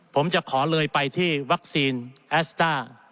ผมจะขอเลยไปที่วัคซีนแอสต้า